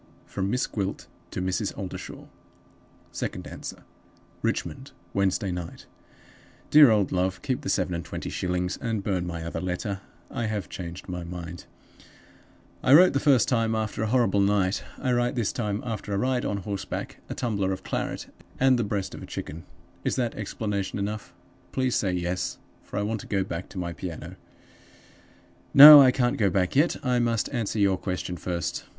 From Miss Gwilt to Mrs. Oldershaw. (Second Answer.) "Richmond, Wednesday Night. "DEAR OLD LOVE Keep the seven and twenty shillings, and burn my other letter. I have changed my mind. "I wrote the first time after a horrible night. I write this time after a ride on horseback, a tumbler of claret, and the breast of a chicken. Is that explanation enough? Please say Yes, for I want to go back to my piano. "No; I can't go back yet; I must answer your question first.